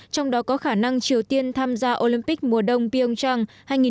trong đó có khả năng triều tiên tham gia olympic mùa đông pyeongchang hai nghìn một mươi tám